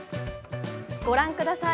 ご覧ください